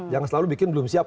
jangan selalu bikin belum siap